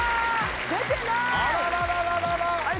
出てない！